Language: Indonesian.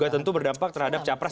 tentu berdampak terhadap capres